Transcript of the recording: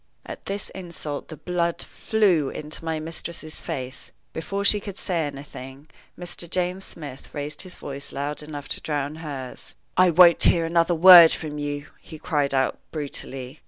At this insult the blood flew into my mistress's face. Before she could say anything, Mr. James Smith raised his voice loud enough to drown hers. "I won't hear another word from you," he cried out, brutally.